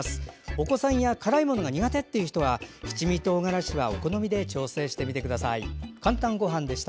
お子さんや辛いものが苦手っていう人は七味とうがらしはお好みで調整してみてください。